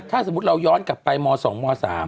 ถ้าสมมุติเราย้อนกลับไปม๒ม๓